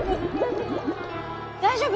大丈夫？